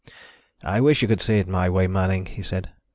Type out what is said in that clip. "I wish you could see it my way, Manning," he said.